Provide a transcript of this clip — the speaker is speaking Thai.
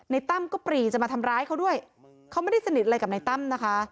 ตั้มก็ปรีจะมาทำร้ายเขาด้วยเขาไม่ได้สนิทอะไรกับในตั้มนะคะ